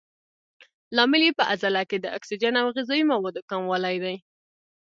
لامل یې په عضله کې د اکسیجن او غذایي موادو کموالی دی.